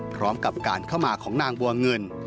พร้อมกับการเข้ามาของนางบัวเงิน